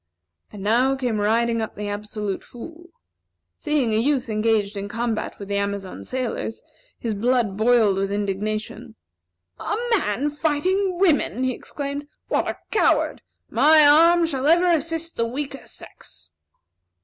And now came riding up the Absolute Fool. Seeing a youth engaged in combat with the Amazon sailors, his blood boiled with indignation. "A man fighting women!" he exclaimed. "What a coward! My arm shall ever assist the weaker sex."